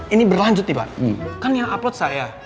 ini berlanjut nih pak kan yang upload saya